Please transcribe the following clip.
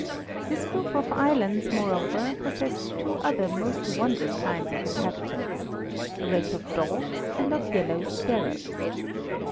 This group of islands, moreover, possessed two other most wondrous kinds of inhabitants a race of dogs and of yellow sparrows.